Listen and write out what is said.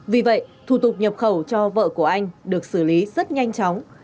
vì vậy thủ tục nhập khẩu cho vợ của anh được xử lý rất nhanh chóng